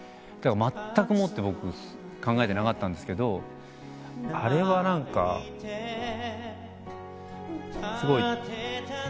まったくもって僕考えてなかったんですけどあれはすごい。